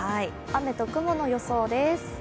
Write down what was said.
雨と雲の予想です。